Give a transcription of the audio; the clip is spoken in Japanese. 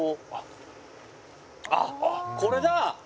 あっこれだ！